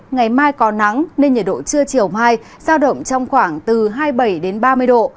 ngày mai có nắng nên nhiệt độ trưa chiều mai sao động trong khoảng từ hai mươi bảy đến ba mươi độ